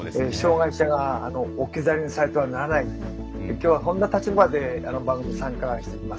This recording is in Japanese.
今日はこんな立場で番組に参加しています。